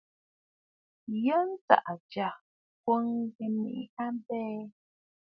Yɛ̀ʼɛ̀ ntsaʼà jya ŋkwòŋ ŋghɛ mèʼê abɛɛ.